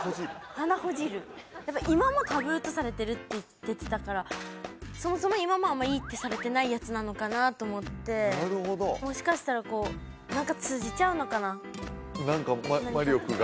鼻ほじるやっぱ今もタブーとされてるって出てたからそもそも今もあんまいいってされてないやつなのかなと思ってなるほどもしかしたらこう何か魔力が？